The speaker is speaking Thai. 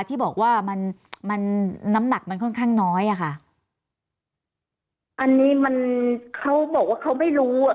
ที่บอกว่ามันมันน้ำหนักมันค่อนข้างน้อยอ่ะค่ะอันนี้มันเขาบอกว่าเขาไม่รู้อ่ะ